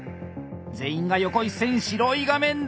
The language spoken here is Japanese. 全員が横一線白い画面だ！